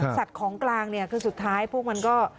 ของกลางเนี่ยคือสุดท้ายพวกมันก็